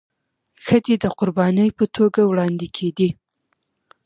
ښځي د قرباني په توګه وړاندي کيدي.